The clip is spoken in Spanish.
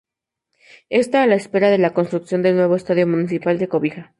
Está a la espera de la construcción del nuevo Estadio Municipal de Cobija.